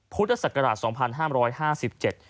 พุทธศักราช๒๕๕๗